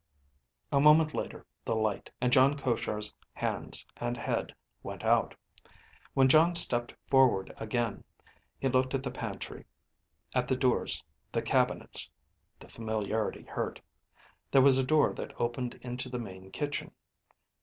A moment later, the light, and John Koshar's hands and head, went out. When Jon stepped forward again, he looked at the pantry, at the doors, the cabinets. The familiarity hurt. There was a door that opened into the main kitchen.